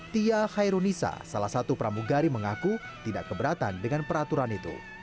tia khairunisa salah satu pramugari mengaku tidak keberatan dengan peraturan itu